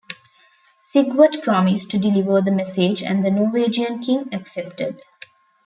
Sigvat promised to deliver the message, and the Norwegian king accepted.